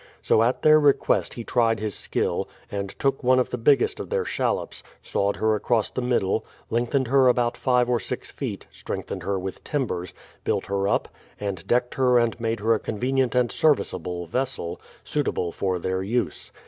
So at their request he tried his skill, and took one of the biggest of their shallops, sawed her across the middle, lengthened her about five or six feet, strengthened her with timbers, built her up, and decked her and made her a convenient and serviceable vessel, suitable for their use.